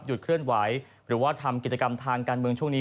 เคลื่อนไหวหรือว่าทำกิจกรรมทางการเมืองช่วงนี้